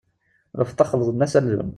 Lfeṭṭa xleḍn-as aldun!